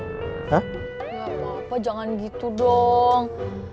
tidak apa apa jangan gitu dong